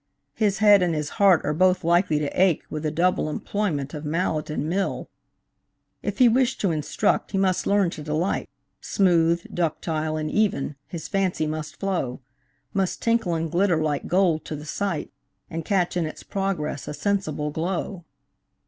His head and his heart are both likely to ache With the double employment of mallet and mill. If he wish to instruct, he must learn to delight, Smooth, ductile, and even, his fancy must flow, Must tinkle and glitter like gold to the sight, And catch in its progress a sensible glow.